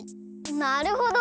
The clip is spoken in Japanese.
なるほど。